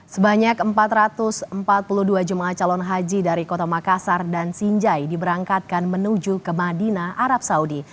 sebanyak empat ratus empat puluh dua jemaah calon haji dari kota makassar dan sinjai diberangkatkan menuju ke madinah arab saudi